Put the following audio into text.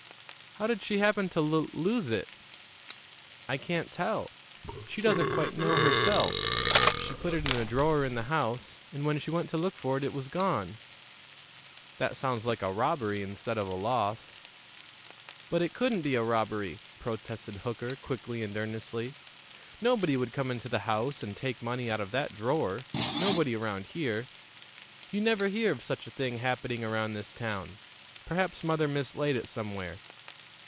"How did she happen to lul lose it?" "I can't tell. She doesn't quite know herself. She put it in a drawer in the house, and when she went to look for it, it was gone." "That sounds like a robbery instead of a loss." "But it couldn't be a robbery," protested Hooker quickly and earnestly. "Nobody would come into the house and take money out of that drawer nobody around here. You never hear of such a thing happening around this town. Perhaps mother mislaid it somewhere.